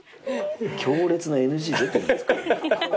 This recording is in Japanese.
強烈なＮＧ出てんですから。